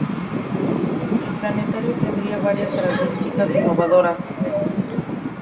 El planetario tendría varias características innovadoras.